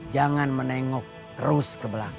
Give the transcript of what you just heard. jangan menengok terus ke belakang